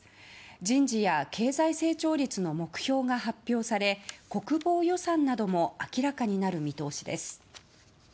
人事や経済成長率の目標が発表され国防予算なども明らかになる見通しです。